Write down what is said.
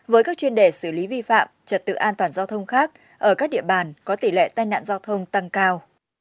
với các chuyên đề xử lý vi phạm trật tự an toàn giao thông khác ở các địa bàn có tỷ lệ tai nạn giao thông tăng cao